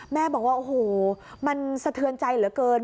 แม่บอกว่าโอ้โหมันสะเทือนใจเหลือเกิน